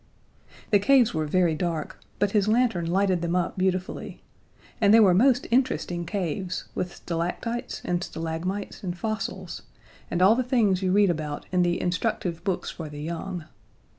The caves were very dark, but his lantern lighted them up beautifully; and they were most interesting caves, with stalactites and stalagmites and fossils, and all the things you read about in the instructive books for the young.